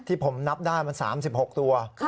ผมนับได้มัน๓๖ตัว